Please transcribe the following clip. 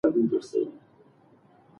يووالی د ملي ګټو د ساتلو تر ټولو ښه وسيله ده.